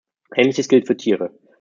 Ähnliches gilt für Tiere.